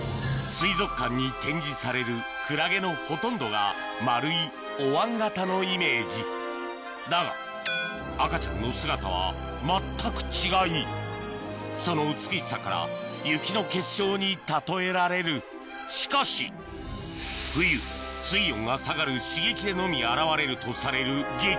水族館に展示されるクラゲのほとんどが丸いおわん形のイメージだが赤ちゃんの姿は全く違いその美しさから雪の結晶に例えられるしかし冬水温が下がる刺激でのみ現れるとされる激